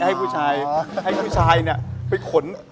ให้ผู้ชายที่ยังไปคน